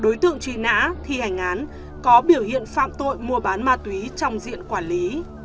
đối tượng truy nã thi hành án có biểu hiện phạm tội mua bán ma túy trong diện quản lý